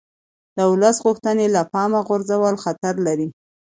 د ولس غوښتنې له پامه غورځول خطر لري